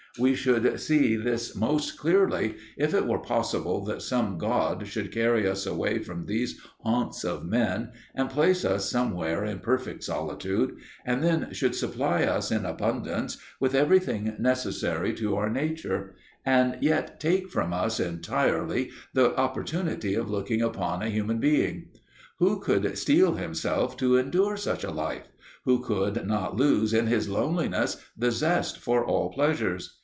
We should see this most clearly, if it were possible that some god should carry us away from these haunts of men, and place us somewhere in perfect solitude, and then should supply us in abundance with everything necessary to our nature, and yet take from us entirely the opportunity of looking upon a human being. Who could steel himself to endure such a life? Who would not lose in his loneliness the zest for all pleasures?